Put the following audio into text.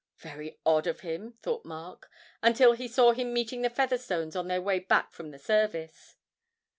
'Very odd of him,' thought Mark, until he saw him meeting the Featherstones on their way back from the service.